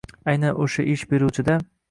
aynan o‘sha ish beruvchida